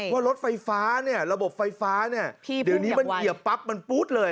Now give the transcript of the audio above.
ว่ารถไฟฟ้าเนี่ยระบบไฟฟ้าเนี่ยเดี๋ยวนี้มันเหยียบปั๊บมันปู๊ดเลย